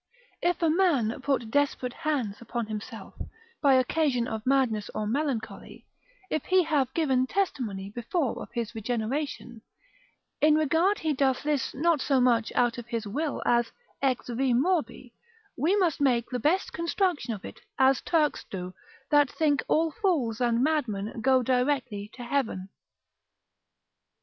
If a man put desperate hands upon himself, by occasion of madness or melancholy, if he have given testimony before of his regeneration, in regard he doth this not so much out of his will, as ex vi morbi, we must make the best construction of it, as Turks do, that think all fools and madmen go directly to heaven.